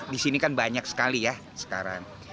di sini kan banyak sekali ya sekarang